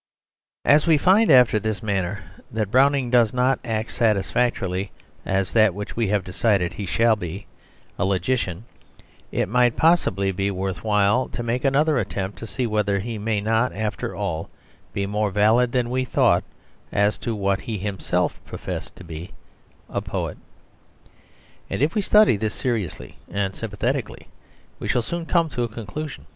As we find, after this manner, that Browning does not act satisfactorily as that which we have decided that he shall be a logician it might possibly be worth while to make another attempt to see whether he may not, after all, be more valid than we thought as to what he himself professed to be a poet. And if we study this seriously and sympathetically, we shall soon come to a conclusion.